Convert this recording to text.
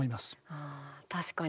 ああ確かに。